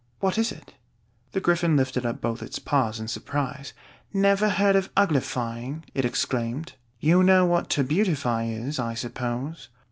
"What is it?" The Gryphon lifted up both its paws in surprise. "Never heard of uglifying!" it exclaimed. "You know what to beautify is, I suppose?"